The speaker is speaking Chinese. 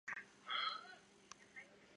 无言通是中国唐朝的一位禅宗僧人。